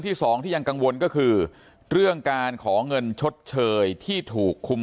สองที่ยังกังวลก็คือเรื่องการขอเงินชดเชยที่ถูกคุม